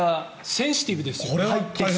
センシティブですよね。